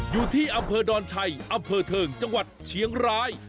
อยู่ที่อำเภอดอนชัยอำเภอเทิงจังหวัดเชียงราย